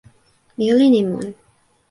mi olin e mun.